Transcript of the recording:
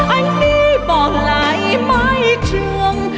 anh đi anh đi bỏ lại mái trường